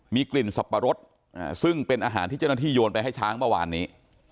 มีกลิ่นสับปะรดซึ่งเป็นอาหารที่เจ้าหน้าที่โยนไปให้ช้างเมื่อวานนี้